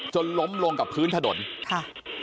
จนล้มลงกับพื้นถนนค่ะ